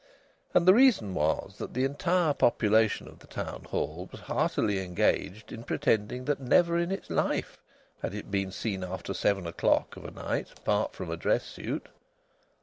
And the reason was that the entire population of the Town Hall was heartily engaged in pretending that never in its life had it been seen after seven o'clock of a night apart from a dress suit.